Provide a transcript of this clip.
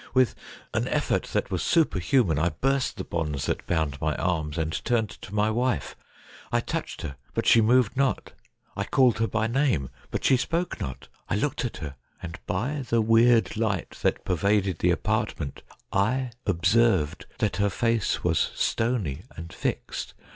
With an effort that was superhuman I burst the bonds that bound my arms, and turned to my wife. I touched her, but she moved not ; I called her by her name, but she spoke not ; I looked at her, and by the weird light that pervaded the apartment I observed that her face was stony and fixed.